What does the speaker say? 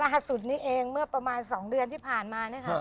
รหสุทธิ์นี้เองเมื่อประมาณ๒เดือนที่ผ่านมานะครับ